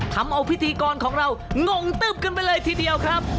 ทำเอาพิธีกรของเรางงตึ๊บกันไปเลยทีเดียวครับ